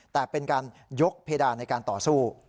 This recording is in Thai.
แต่เป็นการยกเพดานในการต่อสู้